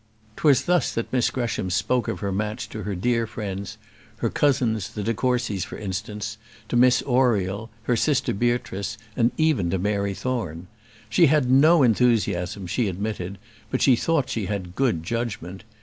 'Twas thus that Miss Gresham spoke of her match to her dear friends, her cousins the de Courcys for instance, to Miss Oriel, her sister Beatrice, and even to Mary Thorne. She had no enthusiasm, she admitted, but she thought she had good judgment.